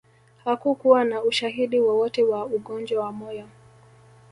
Hakukuwa na ushahidi wowote wa ugonjwa wa moyo